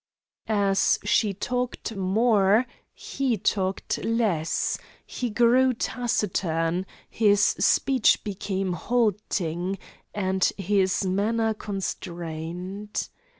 As she talked more, he talked less; he grew taciturn; his speech became halting, and his manner constrained.